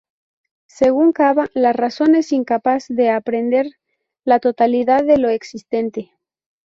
Según Caba, la razón es incapaz de aprehender la totalidad de lo existente.